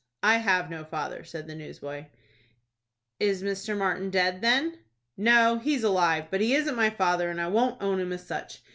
"I have no father," said the newsboy. "Is Mr. Martin dead, then?" "No, he's alive, but he isn't my father, and I won't own him as such.